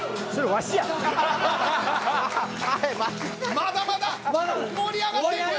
まだまだ盛り上がっていくよ！